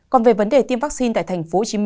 còn về vấn đề tiêm vaccine tại tp hcm